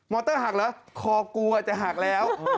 อเตอร์หักเหรอคอกลัวจะหักแล้ว